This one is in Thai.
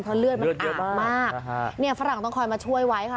เพราะเลือดมันอาบมากเนี่ยฝรั่งต้องคอยมาช่วยไว้ค่ะ